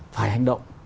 phải hành động